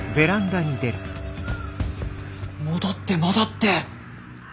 戻って戻って。